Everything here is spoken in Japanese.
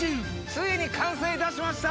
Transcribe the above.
ついに完成いたしました！